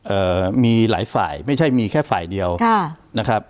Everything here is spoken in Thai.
เอ่อมีหลายฝ่ายไม่ใช่มีแค่ฝ่ายเดียวค่ะนะครับ